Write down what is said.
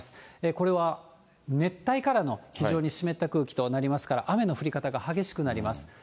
これは熱帯からの非常に湿った空気となりますから、雨の降り方が激しくなります。